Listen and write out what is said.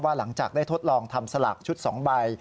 หลังจากได้ทดลองทำสลากชุด๒ใบ